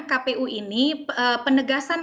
kpu ini penegasan